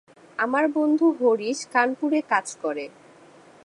আমার বন্ধু হরিশ কানপুরে কাজ করে।